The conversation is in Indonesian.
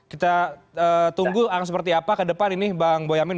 kita tunggu seperti apa ke depan ini bang boyamin